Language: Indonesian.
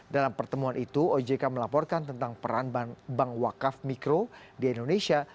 dalam pertemuan itu ojk melaporkan tentang peran bank wakaf mikro di indonesia